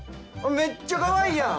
めっちゃかわいいやん！